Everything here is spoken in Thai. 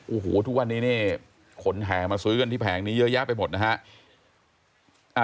อู้หูทุกวันนี้ขนแทงมาสวยเงินที่แพงเยอะไปหมดนะฮะ